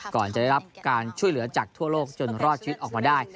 ก่อนจะได้รับการช่วยเหลือจากทั่วโลกจนรอดชีวิตออกมาได้